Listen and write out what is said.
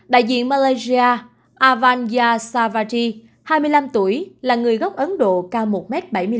đại diện malaysia avanya savaji hai mươi năm tuổi là người gốc ấn độ cao một m bảy mươi năm